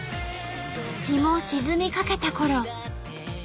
日も沈みかけたころ。